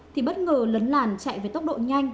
thì bất ngờ lấn làn chạy với tốc độ nhanh